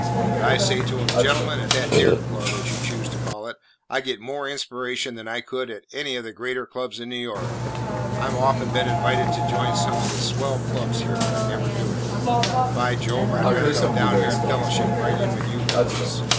But I say to 'em, 'Gentlemen, at that nigger club, as you choose to call it, I get more inspiration than I could get at any of the greater clubs in New York.' I 've often been invited to join some of the swell clubs here, but I never do it. By Jove! I 'd rather come down here and fellowship right in with you fellows.